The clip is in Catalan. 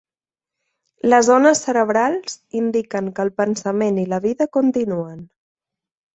Les ones cerebrals indiquen que el pensament i la vida continuen.